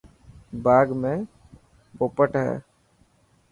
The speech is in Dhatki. باغ ۾ پوپٽ هي.